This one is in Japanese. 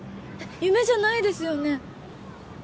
夢じゃないですよね？